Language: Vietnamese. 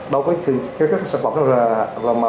đâu có những cái sản phẩm